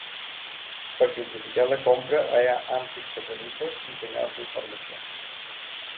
Per simplificar la compra hi ha amplis passadissos i senyals d'informació.